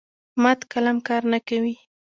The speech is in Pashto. مات قلم کار نه کوي.